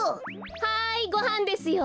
はいごはんですよ。